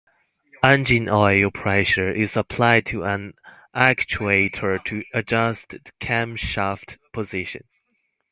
Engine oil pressure is applied to an actuator to adjust the camshaft position.